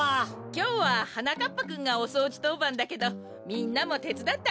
きょうははなかっぱくんがおそうじとうばんだけどみんなもてつだってあげてね！